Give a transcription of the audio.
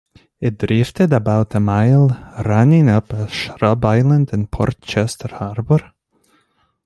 It drifted about a mile, running up on Scrub Island in Port Chester harbor.